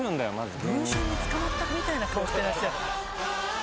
『文春』につかまったみたいな顔してらっしゃる。